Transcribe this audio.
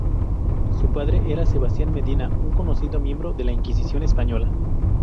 Su padre era Sebastian Medina, un conocido miembro de la Inquisición española.